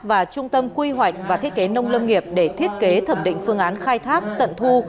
và trung tâm quy hoạch và thiết kế nông lâm nghiệp để thiết kế thẩm định phương án khai thác tận thu